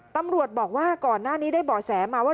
ตำรวจบอกว่าก่อนหน้านี้ได้บ่อแสมาว่า